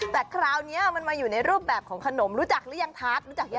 แต่คราวนี้มันมาอยู่ในรูปแบบของขนมรู้จักหรือยังทาร์ท